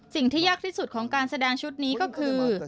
สิ่งที่ยากที่สุดของการแสดงชุดนี้ก็คือ